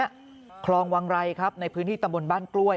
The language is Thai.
คลองวังไรครับในพื้นที่ตำบลบ้านกล้วย